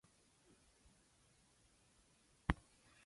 They went two down inside the first ten minutes.